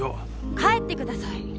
帰ってください！